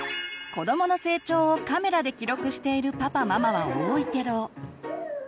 子どもの成長をカメラで記録しているパパママは多いけど。